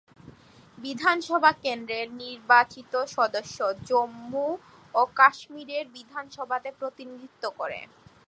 বিধানসভা কেন্দ্রের নির্বাচিত সদস্য জম্মু ও কাশ্মীরের বিধানসভাতে প্রতিনিধিত্ব করে।